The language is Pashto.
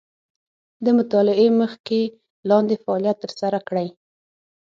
د مطالعې مخکې لاندې فعالیت تر سره کړئ.